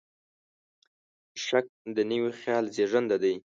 شک د نوي خیال زېږنده دی.